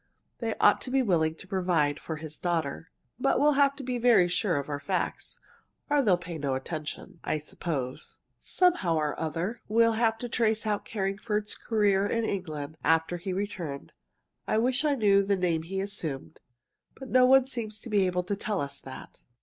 They ought to be willing to provide for his daughter. But we'll have to be very sure of our facts, or they'll pay no attention, I suppose. Somehow or other we'll have to trace out Carringford's career in England after he returned. I wish I knew the name he assumed, but no one seems to be able to tell us that."